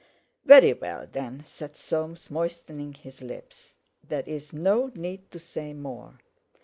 "Very well, then," said Soames, moistening his lips: "there's no need to say more.